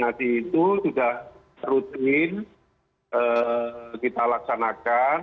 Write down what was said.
koordinasi itu sudah rutin kita laksanakan